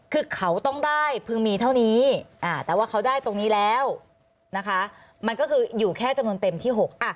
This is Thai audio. คือเขาต้องได้พึงมีเท่านี้แต่ว่าเขาได้ตรงนี้แล้วนะคะมันก็คืออยู่แค่จำนวนเต็มที่๖